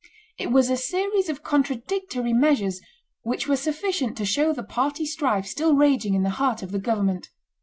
It was a series of contradictory measures which were sufficient to show the party strife still raging in the heart of the government.